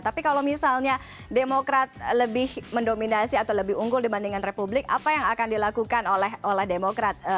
tapi kalau misalnya demokrat lebih mendominasi atau lebih unggul dibandingkan republik apa yang akan dilakukan oleh demokrat